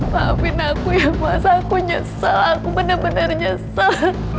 maafin aku ya mas aku nyesel aku bener bener nyesel